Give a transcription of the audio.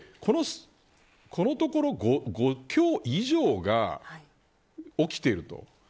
このところ、５強以上が起きていると。